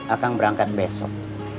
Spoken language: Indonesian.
akang berangkat besok